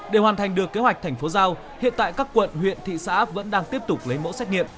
để hoàn thành được kế hoạch thành phố giao hiện tại các quận huyện thị xã vẫn đang tiếp tục lấy mẫu xét nghiệm